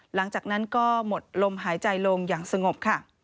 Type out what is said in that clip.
หลังจากนั้นก็หมดลมหายใจลงอย่างสงบค่ะ